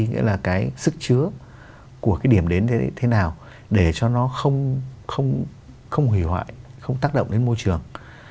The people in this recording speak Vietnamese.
nghĩa là cái sức chứa của cái điểm đến thế nào để cho nó không hủy hoại không tác động đến môi trường